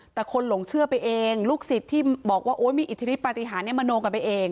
แต่คนหลงเชื่อไปเองลูกศิษย์ที่บอกว่าโอ๊ยมีอิทธิฤทธปฏิหารมโนกันไปเอง